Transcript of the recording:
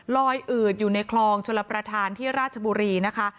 อืดอยู่ในคลองชลประธานที่ราชบุรีนะคะ